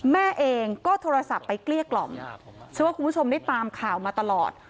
แม่เองก็โทรศัพท์ไปเกลี้ยกล่อมเชื่อว่าคุณผู้ชมได้ตามข่าวมาตลอด